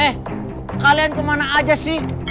eh kalian kemana aja sih